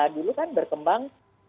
dulu kan berkembang